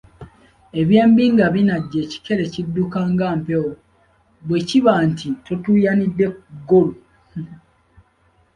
Eby'embi nga binajja ekikere kidduka nga mpewo, bwe kiba nti totuuyanidde ku ggolu!